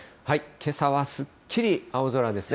けさはすっきり青空ですね。